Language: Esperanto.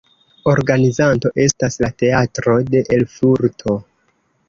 Organizanto estas la Teatro de Erfurto.